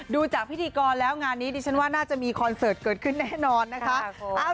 ดูจากพิธีกรแล้วงานนี้ดิฉันว่าน่าจะมีคอนเสิร์ตเกิดขึ้นแน่นอนนะคะ